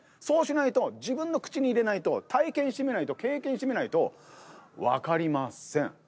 そうしないと自分の口に入れないと体験してみないと経験してみないと分かりません。